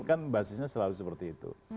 kan basisnya selalu seperti itu